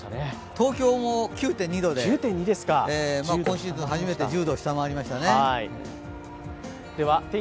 東京も９．２度で、今シーズン初めて１０度を下回りましたね。